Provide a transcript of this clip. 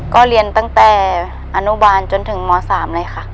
ก็เรียนตั้งแต่อนุบาลจนถึงม๓เลยค่ะ